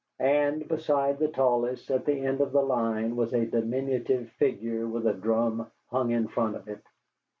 And beside the tallest, at the end of the line, was a diminutive figure with a drum hung in front of it.